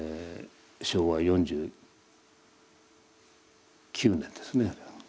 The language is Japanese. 昭和４９年ですね